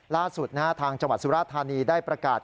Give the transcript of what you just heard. ล่าสุดทางจังหวัดสุราธานีได้ประกาศ